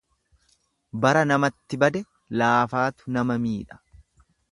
Bara namatti bade laafaatu nama miidha.